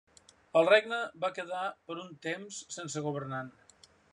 El regne va quedar per un temps sense governant.